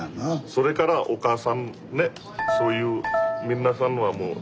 それからお母さんねそういうみんなさんのはもうね女性の。